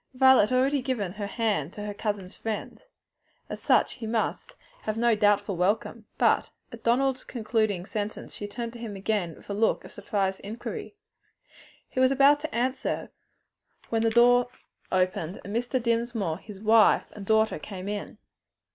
Violet had already given her hand to her cousin's friend as such he must have no doubtful welcome but at Donald's concluding sentence she turned to him again with a look of surprised inquiry, which he was about to answer, when the door opened and Mr. Dinsmore, his wife and daughter came in.